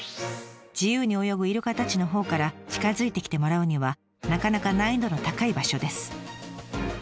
自由に泳ぐイルカたちのほうから近づいてきてもらうにはなかなか難易度の高い場所です。